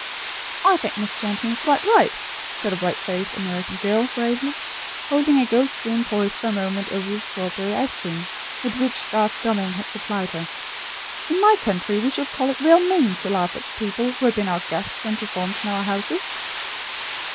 "I think Miss Champion is quite right," said a bright faced American girl, bravely, holding a gold spoon poised for a moment over the strawberry ice cream with which Garth Dalmain had supplied her. "In my country we should call it real mean to laugh, at people who had been our guests and performed in our houses."